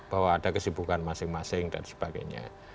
bahwa ada kesibukan masing masing dan sebagainya